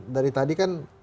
dari tadi kan